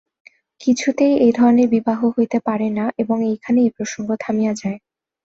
কিছুতেই এ ধরনের বিবাহ হইতে পারে না এবং এইখানেই এ প্রসঙ্গ থামিয়া যায়।